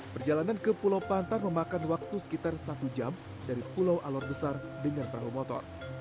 perjalanan ke pulau pantar memakan waktu sekitar satu jam dari pulau alor besar dengan perahu motor